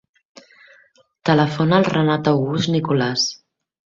Telefona al Renat August Nicolas.